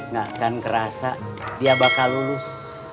gak kan kerasa dia bakal lulus